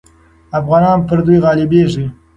افغانان پر دوی غالبېږي.